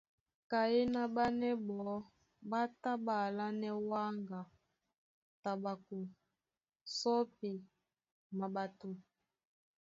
Kanyéná ɓánɛ́ ɓɔɔ́ ɓá tá ɓá alánɛ́ wáŋga, taɓako, sɔ́pi, maɓato.